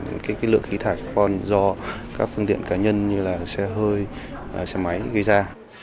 đó là làm giảm lượng khí thạch còn do các phương tiện cá nhân như là xe hơi xe máy gây ra